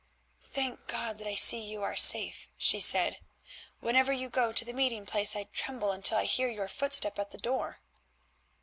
"Thank God that I see you safe," she said. "Whenever you go to the Meeting place I tremble until I hear your footsteps at the door."